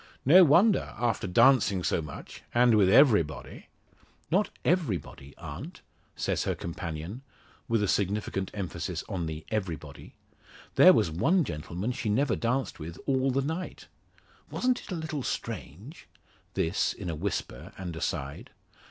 No wonder, after dancing so much, and with everybody." "Not everybody, aunt!" says her companion, with a significant emphasis on the everybody. "There was one gentleman she never danced with all the night. Wasn't it a little strange?" This in a whisper and aside.